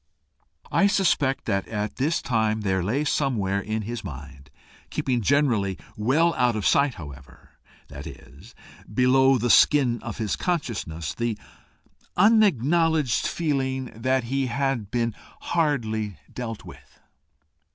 I suspect that at this time there lay somewhere in his mind, keeping generally well out of sight however, that is, below the skin of his consciousness, the unacknowledged feeling that he had been hardly dealt with.